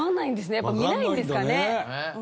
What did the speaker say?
やっぱり見ないんですかね。